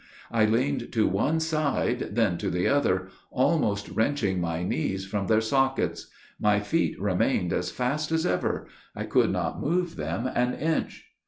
I leaned to one side, then to the other, almost wrenching my knees from their sockets. My feet remained as fast as ever. I could not move them an inch.